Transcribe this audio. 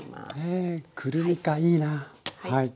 へえくるみかいいなはい。